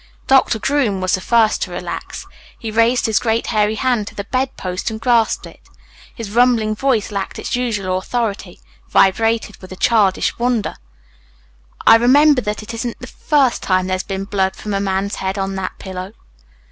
Doctor Groom was the first to relax. He raised his great, hairy hand to the bed post and grasped it. His rumbling voice lacked its usual authority. It vibrated with a childish wonder: "I'm reminded that it isn't the first time there's been blood from a man's head on that pillow."